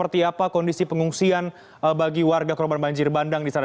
di apa kondisi pengungsian bagi warga korban banjir bandang disana